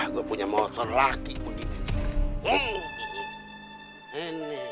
gue punya motor laki begini